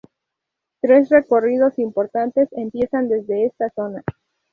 Tres recorridos importantes empiezan desde esta zona.